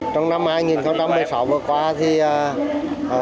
trong năm hai nghìn một mươi sáu vừa qua